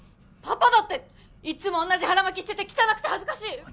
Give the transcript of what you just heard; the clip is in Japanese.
パパだっていっつもおんなじ腹巻きしてて汚くて恥ずかしい！